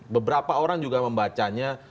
beberapa orang juga membacanya